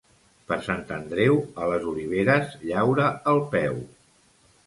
Per Sant Andreu, a les oliveres llaura el peu.